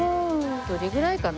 どれぐらいかな？